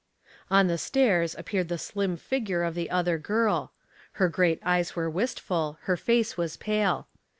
On the stairs appeared the slim figure of the other girl. Her great eyes were wistful, her face was pale.